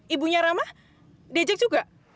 ibunya rama dejek juga